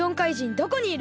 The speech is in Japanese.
どこにいる？